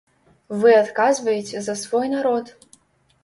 Вы адказваеце за свой народ.